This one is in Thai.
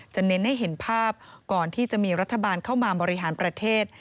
เน้นให้เห็นภาพก่อนที่จะมีรัฐบาลเข้ามาบริหารประเทศ